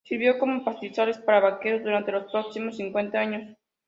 Sirvió como pastizales para vaqueros durante los próximos cincuenta años.